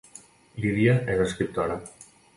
Lídia és escriptora